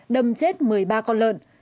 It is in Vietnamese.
đâm chết một mươi ba con lợn